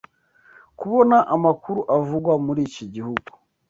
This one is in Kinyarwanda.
kubona amakuru avugwa muri iki gihugu